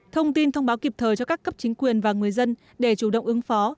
thông tin thông báo kịp thời cho các cấp chính quyền và người dân để chủ động ứng phó